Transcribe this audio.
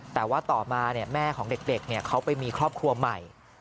แต่ว่าต่อมาแม่ของเด็กเขาไปมีครอบครัวใหม่